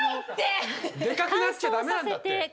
でかくなっちゃダメなんだって！